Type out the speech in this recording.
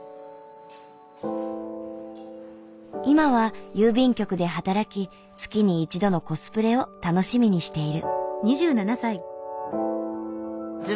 今は郵便局で働き月に１度のコスプレを楽しみにしている。